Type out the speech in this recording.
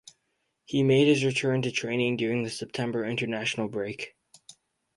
He made his return to training during the September international break.